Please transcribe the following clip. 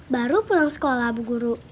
baru pulang sekolah bu guru